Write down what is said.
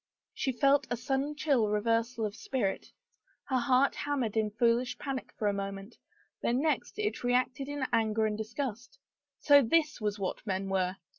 She felt a sudden chill reversal of spirit. Her heart hammered in foolish panic for a moment, the next it reacted in anger and disgust. So this was what men were!